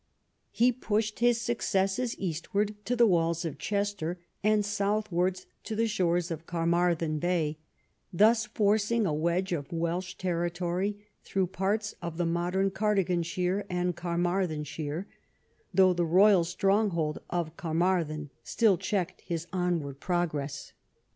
He pushed his successes eastwards to the walls of Chester, and southwards to the shores of Carmarthen Bay, thus forcing a wedge of Welsh territory through parts of the modern Cardiganshire and Carmarthenshire, though the royal stronghold of Car marthen still checked his onward progress.